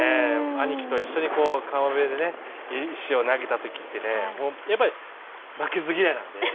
兄貴と一緒に川辺でね石を投げた時ってねやっぱり負けず嫌いなのでね